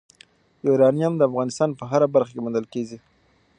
یورانیم د افغانستان په هره برخه کې موندل کېږي.